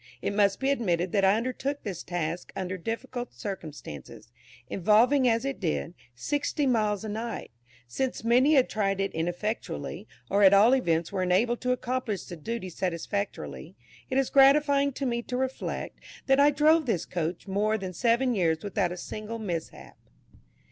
It must be admitted that I undertook this task under difficult circumstances involving as it did, sixty miles a night since many had tried it ineffectually, or at all events were unable to accomplish the duty satisfactorily. It is gratifying to me to reflect, that I drove this coach more than seven years without a single mishap.